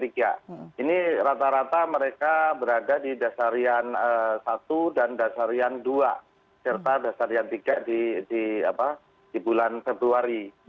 ini rata rata mereka berada di dasarian satu dan dasarian dua serta dasarian tiga di bulan februari